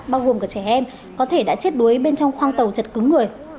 bao gồm cả trẻ em có thể đã chết đuối bên trong khoang tàu chật cứng người